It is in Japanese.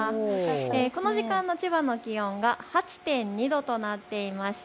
この時間の千葉の気温は８．２度となっていました。